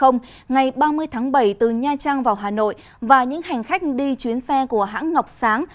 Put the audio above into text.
ngày ba mươi tháng bảy từ nha trang vào hà nội và những hành khách đi chuyến xe của hãng ngọc sáng